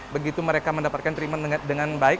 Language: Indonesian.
begitu mereka mendapatkan treatment dengan baik